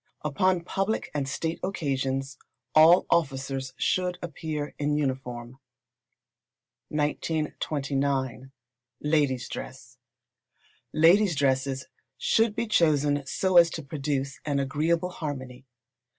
Upon public and state occasions all officers should appear in uniform. 1929. Ladies' Dress. Ladies' dresses should be chosen so as to produce an agreeable harmony.